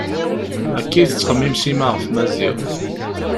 Akka i tettxemmim Sima ɣef Maziɣ.